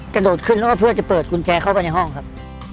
กระโดดขึ้นแล้วก็เพื่อจะเปิดกุญแจเข้าไปในห้องครับ